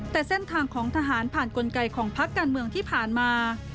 แต่เส้นทางของทหารผ่านกลไกของพักการเมืองที่ผ่านมา